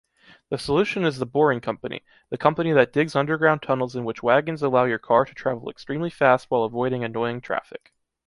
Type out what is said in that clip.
The solution is the Boring Company, the company that digs underground tunnels in which wagons allow your car to travel extremely fast while avoiding annoying traffic.